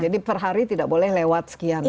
jadi per hari tidak boleh lewat sekian gitu